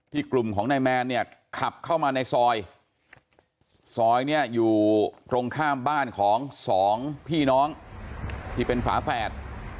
กลุ่มของนายแมนเนี่ยขับเข้ามาในซอยซอยเนี่ยอยู่ตรงข้ามบ้านของสองพี่น้องที่เป็นฝาแฝด